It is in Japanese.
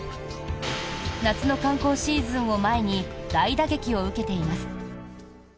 夏の観光シーズンを前に大打撃を受けています。